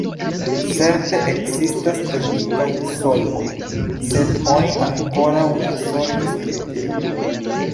Certe ekzistas teknikaj solvoj, sed oni ankoraŭ ne zorgis pri tio.